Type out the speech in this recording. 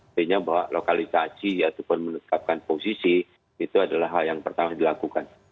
sehingga bahwa lokalisasi ataupun menetapkan posisi itu adalah hal yang pertama dilakukan